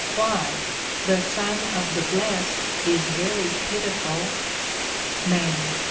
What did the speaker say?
Why? The Son of the Blessed is very pitiful. MAN.